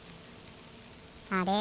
あれ？